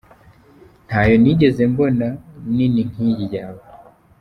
Ntayo nigeze mbona nini nkiyi yawe….